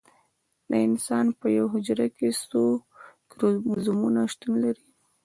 د انسان په یوه حجره کې څو کروموزومونه شتون لري